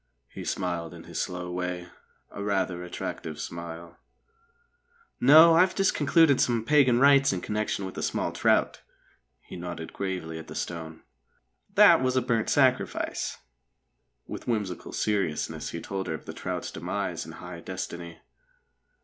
He smiled in his slow way a rather attractive smile. "No. I've just concluded some pagan rites in connection with a small trout!" He nodded gravely at the stone. "That was a burnt sacrifice." With whimsical seriousness he told her of the trout's demise and high destiny.